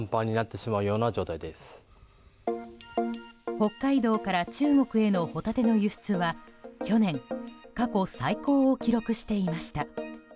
北海道から中国へのホタテの輸出は去年、過去最高を記録していました。